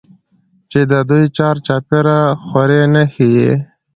چې د دوى چار چاپېر خورې نښي ئې